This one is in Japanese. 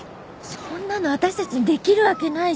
そんなの私たちにできるわけないじゃん！